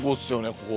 ここ。